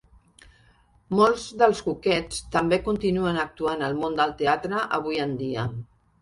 Molts dels Cockettes també continuen actuant al món del teatre avui en dia.